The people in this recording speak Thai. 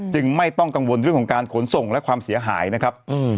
ไม่ต้องกังวลเรื่องของการขนส่งและความเสียหายนะครับ